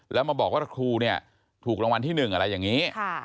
แล้วมาบอกว่าครูเนี่ยถูกรางวัลที่๑อะไรอย่างนี้